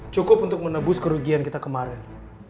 cukup untuk menebus kerugian kita kemarin